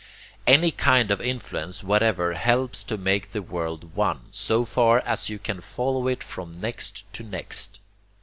Any kind of influence whatever helps to make the world one, so far as you can follow it from next to next.